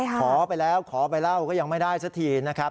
ขอไปแล้วขอไปเล่าก็ยังไม่ได้สักทีนะครับ